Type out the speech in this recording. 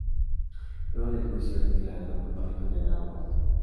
Luego del juicio, es declarado culpable y condenado a muerte.